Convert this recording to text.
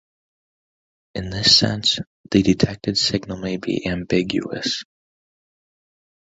In this sense, the detected signal may be "ambiguous".